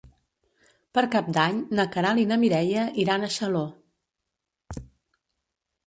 Per Cap d'Any na Queralt i na Mireia iran a Xaló.